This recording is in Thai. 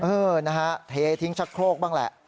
เออนะฮะเททิ้งชะโครกบ้างแหละ